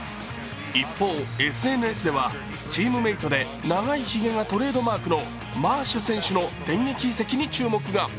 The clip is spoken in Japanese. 一方、ＳＮＳではチームメートで長いひげがトレードマークのマーシュ選手の電撃移籍に注目が。